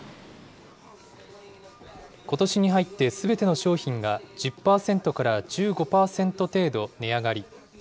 ことしに入ってすべての商品が１０％から１５％程度値上がり。